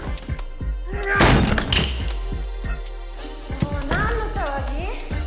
もう何の騒ぎ？